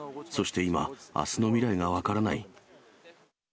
そして今、あすの未来が分からない。